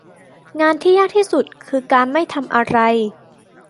งานที่ยากที่สุดคือการไม่ทำอะไร